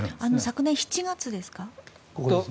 昨年７月ですか？